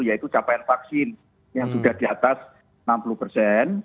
yaitu capaian vaksin yang sudah di atas enam puluh persen